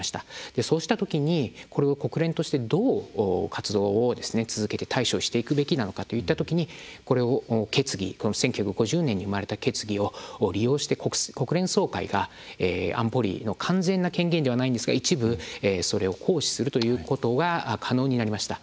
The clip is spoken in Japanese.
そうした時にこれを国連としてどう活動を続けて対処していくべきなのかといった時に１９５０年に生まれた決議を利用して国連総会が安保理の完全な権限ではないんですが一部それを行使するということが可能になりました。